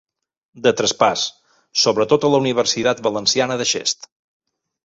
De traspàs, sobretot a la universitat valenciana de Xest.